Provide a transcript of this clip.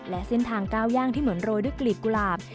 และเส้นทางก้าวย่างที่เหมือนโรยด้วยกลีบกุหลาบ